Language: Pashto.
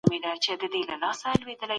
سبا به هغه د محکمې په وړاندي رښتيا وايي.